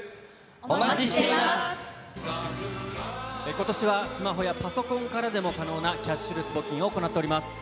ことしはスマホやパソコンからでも可能なキャッシュレス募金を行っております。